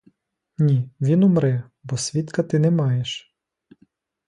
Ні, він умре, бо свідка ти не маєш!